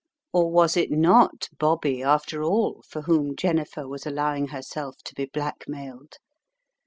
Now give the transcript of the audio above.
Or was it not Bobby, after all, for whom Jennifer was allowing herself to be black mailed.